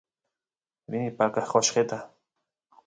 rini paqa qoshqet